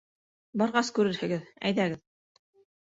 — Барғас күрерһегеҙ, әйҙәгеҙ.